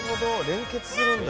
連結するんだ。